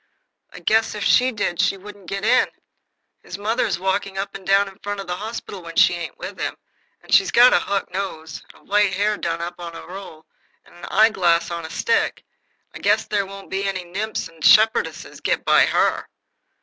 I guess if she did she wouldn't get in. His mother's walking up and down front of the hospital when she ain't with him, and she's got a hook nose and white hair done up over a roll and an eye glass on a stick, and I guess there won't be no nimps and shepherdesses get by HER."